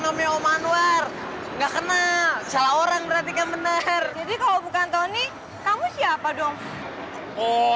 punya om anwar gak kenal salah orang berarti kan bener jadi kalau bukan tony kamu siapa dong oh